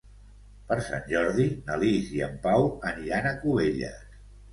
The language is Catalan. Per Sant Jordi na Lis i en Pau aniran a Cubelles.